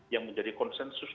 yang menjadi konsensus